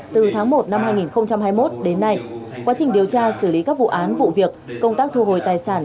từ tháng một năm hai nghìn hai mươi một đến nay quá trình điều tra xử lý các vụ án vụ việc công tác thu hồi tài sản